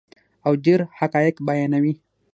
او ډیر حقایق بیانوي.